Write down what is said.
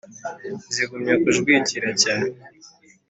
Zigumya kujwigira cyane